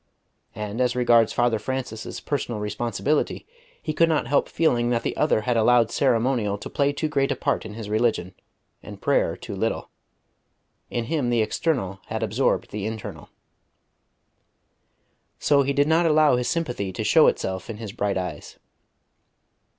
And as regards Father Francis's personal responsibility, he could not help feeling that the other had allowed ceremonial to play too great a part in his religion, and prayer too little. In him the external had absorbed the internal. So he did not allow his sympathy to show itself in his bright eyes.